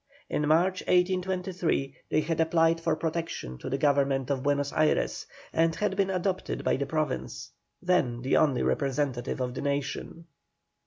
In March, 1823, they had applied for protection to the Government of Buenos Ayres, and had been adopted by the Province, then the only representative of the nation.